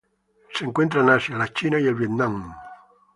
Se encuentran en Asia: la China y el Vietnam.